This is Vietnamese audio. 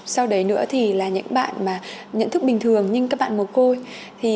sau đấy nữa thì là những bạn mà nhận thức bình thường nhưng các bạn mồ côi